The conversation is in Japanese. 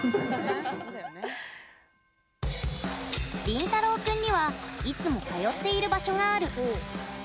リンタロウ君にはいつも通っている場所がある。